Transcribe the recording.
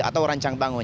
atau rancang bangun